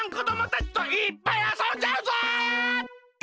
たちといっぱいあそんじゃうぞ！